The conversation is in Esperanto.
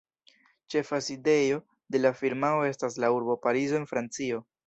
Ĉefa sidejo de la firmao estas la urbo Parizo en Francio.